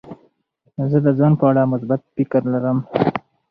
زه د ځان په اړه مثبت فکر لرم.